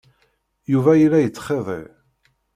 Yuba yella yettxiḍi.